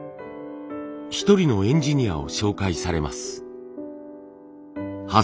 一人のエンジニアを紹介されます。